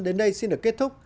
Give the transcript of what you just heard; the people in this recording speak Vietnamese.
đến đây xin được kết thúc